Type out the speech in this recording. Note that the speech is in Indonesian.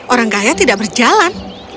orang kaya tidak berjalan